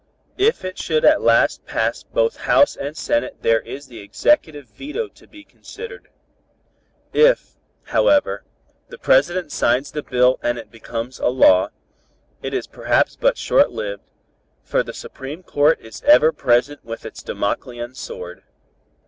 "If it should at last pass both House and Senate there is the Executive veto to be considered. If, however, the President signs the bill and it becomes a law, it is perhaps but short lived, for the Supreme Court is ever present with its Damoclean sword.